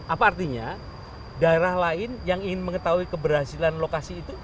apa artinya daerah lain yang ingin mengetahui keberhasilan lokasi itu